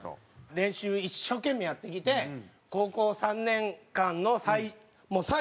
練習一生懸命やってきて高校３年間の最後夏の大会